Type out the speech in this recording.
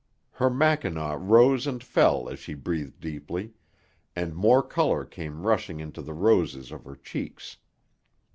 Her mackinaw rose and fell as she breathed deeply, and more colour came rushing into the roses of her cheeks.